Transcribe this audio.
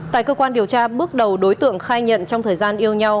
tại cơ quan điều tra bước đầu đối tượng khai nhận trong thời gian yêu nhau